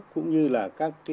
cũng như là